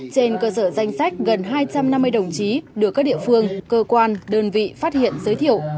trên cơ sở danh sách gần hai trăm năm mươi đồng chí được các địa phương cơ quan đơn vị phát hiện giới thiệu